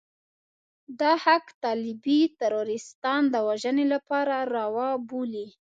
دا حق طالبي تروريستان د وژنې لپاره روا بولي.